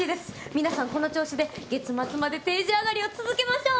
皆さんこの調子で月末まで定時上がりを続けましょう。